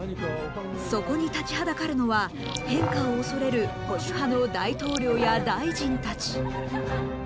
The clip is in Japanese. そこに立ちはだかるのは変化を恐れる保守派の大統領や大臣たち。